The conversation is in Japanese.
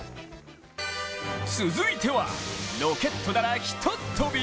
続いてはロケットならひとっ飛び？